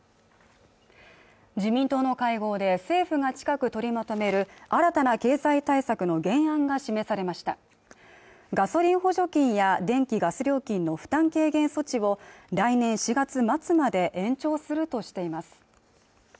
自民党の会合で政府が近く取りまとめる新たな経済対策の原案が示されましたガソリン補助金や電気・ガス料金の負担軽減措置を来年４月末まで延長するとしています